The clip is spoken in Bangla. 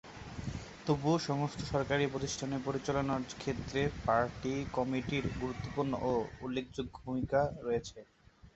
তবুও সমস্ত সরকারি প্রতিষ্ঠানে পরিচালনার ক্ষেত্রে পার্টি কমিটির গুরুত্বপূর্ণ ও উল্লেখযোগ্য ভূমিকা রয়েছে।